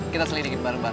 kita selidiki bareng bareng